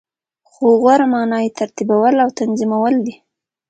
خو غوره معنا یی ترتیبول او تنظیمول دی .